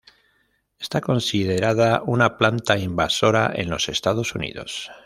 Está considerada una planta invasora en los Estados Unidos.